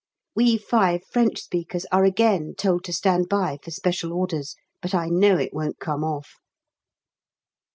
We five French speakers are again told to stand by for special orders, but I know it won't come off.